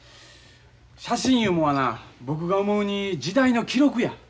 写真いうもんはな僕が思うに時代の記録や。